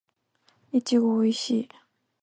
いちごおいしい